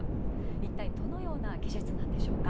いったいどのような技術なんでしょうか？